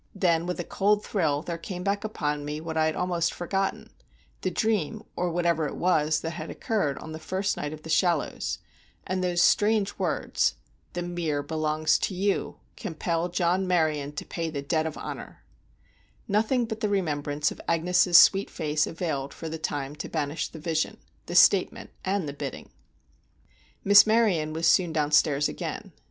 Then with a cold thrill there came back upon me what I had almost forgotten, the dream, or whatever it was, that had occurred on that first night at The Shallows; and those strange words—"The Mere belongs to you. Compel John Maryon to pay the debt of honor!" Nothing but the remembrance of Agnes' sweet face availed for the time to banish the vision, the statement, and the bidding. Miss Maryon was soon down stairs again.